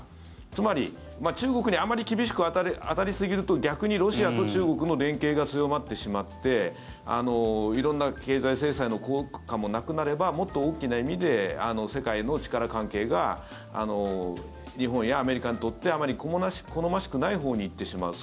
つまり中国にあまり厳しく当たりすぎると逆にロシアと中国の連携が強まってしまって色んな経済制裁の効果もなくなればもっと大きな意味で世界の力関係が日本やアメリカにとってあまり好ましくないほうに行ってしまう。